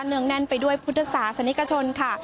งแน่นไปด้วยพุทธศาสนิกชนค่ะ